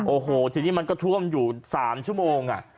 โอ้โหทีนี้มันก็ท่วมอยู่๓ชั่วโมง